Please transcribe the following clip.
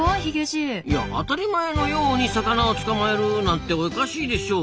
いや当たり前のように魚を捕まえるなんておかしいでしょう。